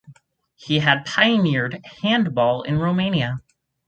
He had pioneered handball in Romania.